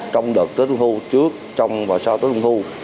trong đợt tết trung thu trước trong và sau tối trung thu